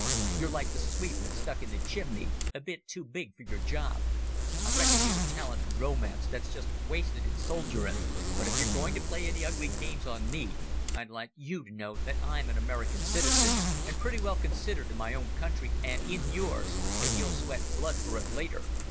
You're like the sweep that stuck in the chimney, a bit too big for your job. I reckon you've a talent for romance that's just wasted in soldiering. But if you're going to play any ugly games on me I'd like you to know that I'm an American citizen, and pretty well considered in my own country and in yours, and you'll sweat blood for it later.